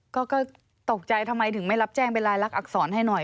ก็ตกใจทำไมถึงไม่รับแจ้งเป็นรายลักษรให้หน่อย